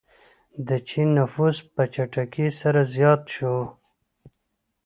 د چین نفوس په چټکۍ سره زیات شو.